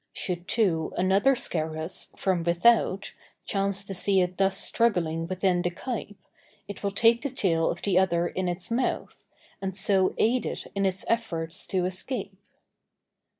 Should, too, another scarus, from without, chance to see it thus struggling within the kype, it will take the tail of the other in its mouth, and so aid it in its efforts to escape.